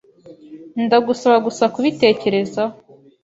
Ndagusaba gusa kubitekerezaho.